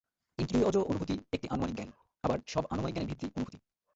ইন্দ্রিয়জ অনুভূতি একটা আনুমানিক জ্ঞান, আবার সব আনুমানিক জ্ঞানের ভিত্তি অনুভূতি।